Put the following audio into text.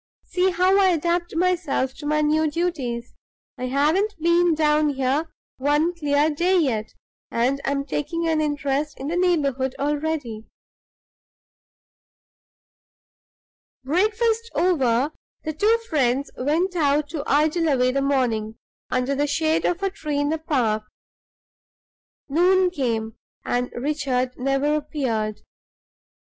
"See how I adapt myself to my new duties! I haven't been down here one clear day yet, and I'm taking an interest in the neighborhood already." Breakfast over, the two friends went out to idle away the morning under the shade of a tree in the park. Noon came, and Richard never appeared.